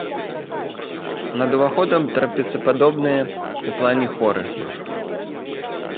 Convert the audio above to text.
Над уваходам трапецападобныя ў плане хоры.